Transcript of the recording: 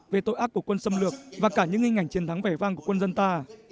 về tội ác của quân xâm lược và cả những hình ảnh chiến thắng vẻ vang của quân dân ta